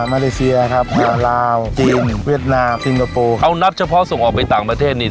อ่าลาวจีนเวียดนาปซินเกอร์โปรเขานับเฉพาะส่งออกไปต่างประเทศนี่